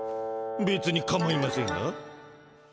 べつにかまいませんが。